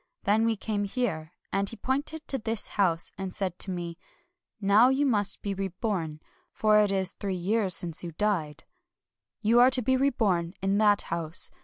Then we came here, and he pointed to this house, and said to me :—' Now you must be reborn, — for it is three years since you died. You are to be reborn in that house.